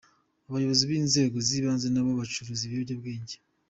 Abayobozi b’inzego z’ibanze n’abo bacuruza ibiyobyabwenge